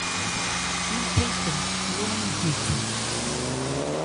Ń phɛ cɔn ló ń je tha.